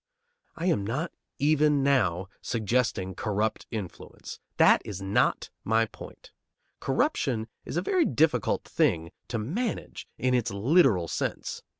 I am not even now suggesting corrupt influence. That is not my point. Corruption is a very difficult thing to manage in its literal sense.